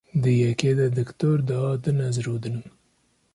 Di yekê de Dr. di a din ez rûdinim.